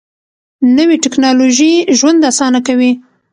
نوې ټیکنالوژي ژوند اسانه کوي